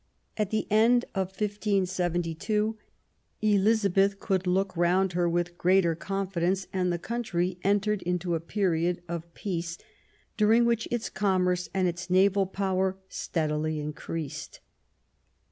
At the end of 1572 Elizabeth could look around her with greater confidence ; and the country entered upon a period of peace, during which its commerce and its naval power steadily increased.